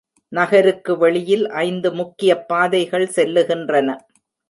நகருக்கு வெளியில் ஐந்து முக்கியப் பாதைகள் செல்லுகின்றன.